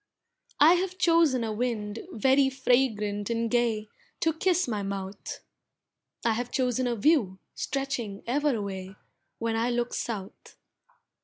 I have chosen a wind very fragrant and gay, To kiss my mouth. I have chosen a view, stretching ever away, When I look south.